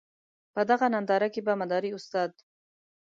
په دغه ننداره کې به مداري استاد.